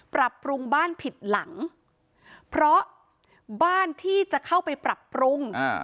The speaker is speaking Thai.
ปรับปรุงบ้านผิดหลังเพราะบ้านที่จะเข้าไปปรับปรุง